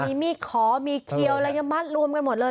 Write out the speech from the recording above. มีมีดขอมีดเคี้ยวมัดรวมกันหมดเลย